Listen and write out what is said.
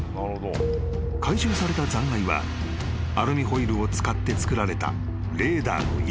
［回収された残骸はアルミホイルを使って造られたレーダーの一部と報告した］